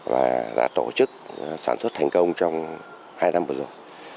và đã tổ chức sản xuất thành công trong hai năm vừa rồi